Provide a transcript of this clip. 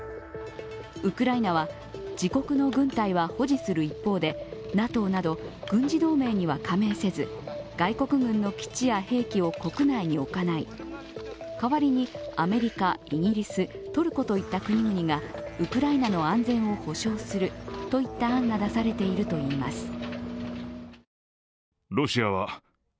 ウクライナは自国の軍隊は保持する一方でＮＡＴＯなど軍事同盟には加盟せず、外国軍の基地や兵器を国内に置かない代わりにアメリカ、イギリストルコといった国々がウクライナの安全を保障するといった案が出されているといいます。